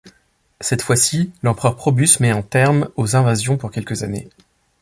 Cette fois-ci l'empereur Probus met un terme aux invasions pour quelques années.